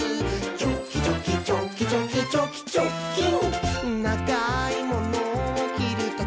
「チョキチョキチョキチョキチョキチョッキン！」